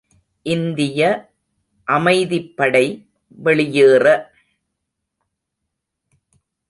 இந்திய அமைதிப்படை வெளியேற?